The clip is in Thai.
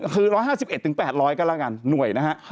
คือ๑๕๑๘๐๐ก็แล้วกันหน่วยนะฮะ